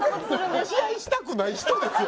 試合したくない人ですよ